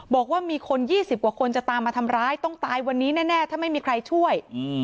บอกว่ามีคน๒๐กว่าคนจะตามมาทำร้ายต้องตายวันนี้แน่ถ้าไม่มีใครช่วย